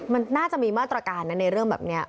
มันน่าจะมีมาตรการนะในเรื่องแบบนี้